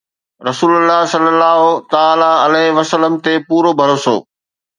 رسول الله صَلَّى اللهُ تَعَالٰى عَلَيْهِ وَسَلَّمَ تي پورو ڀروسو